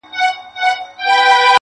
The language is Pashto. کله مسجد کي گډ يم کله درمسال ته گډ يم,